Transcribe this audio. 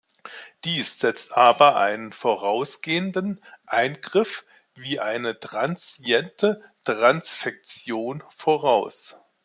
Dies setzt aber einen vorausgehenden Eingriff, wie eine transiente Transfektion voraus.